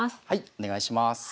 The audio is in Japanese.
はいお願いします。